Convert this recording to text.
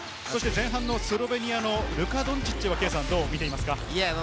前半、スロベニアのルカ・ドンチッチはどのように見ていますか？